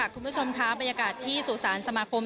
คุณผู้ชมค่ะบรรยากาศที่สุสานสมาคม